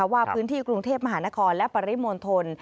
ว่าพื้นที่กรุงเทพมหานครและปริมณฑล